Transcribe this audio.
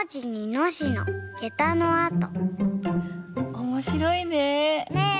おもしろいねぇ。ね。